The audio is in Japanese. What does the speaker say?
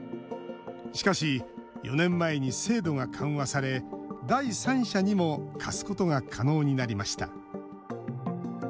しかし、４年前に制度が緩和され第三者にも貸すことが可能になりました。